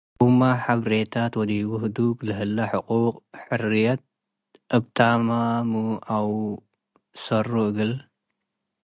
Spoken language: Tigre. አውመ ሐብሬታት ወዲቡ ህዱግ ለህለ ሕቁቅ ወ ሕርያት እብ ተማሙ አው ሰሩ እግል